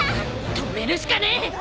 止めるしかねえ！